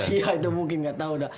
iya itu mungkin gak tau dah